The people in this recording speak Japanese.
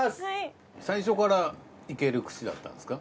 最初からいける口だったんですか？